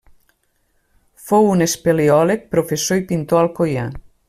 Fou un espeleòleg, professor i pintor alcoià.